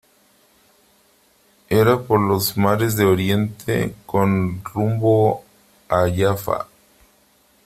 era por los mares de Oriente , con rumbo a Jafa .